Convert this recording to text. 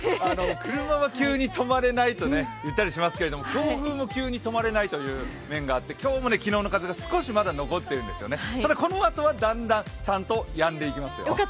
車は急に止まれないと言ったりしますけども強風に急に止まれないという面があって今日まだ、昨日の風がまだ残っていてただこのあとはだんだんちゃんとやんでいきますよ。